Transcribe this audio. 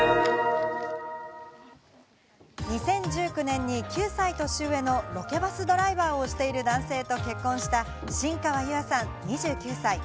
２０１９年に、９歳年上のロケバスドライバーをしている男性と結婚した、新川優愛さん、２９歳。